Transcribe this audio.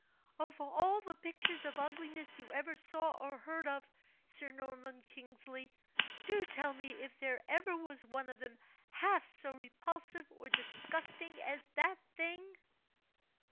"Of all the pictures of ugliness you ever saw or heard of, Sir Norman Kingsley, do tell me if there ever was one of them half so repulsive or disgusting as that thing?"